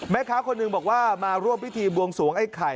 แม่ค้าคนหนึ่งบอกว่ามาร่วมพิธีบวงสวงไอ้ไข่